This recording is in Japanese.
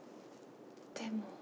でも。